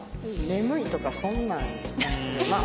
眠いとかそんなん。